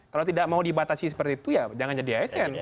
kalau tidak mau dibatasi seperti itu ya jangan jadi asn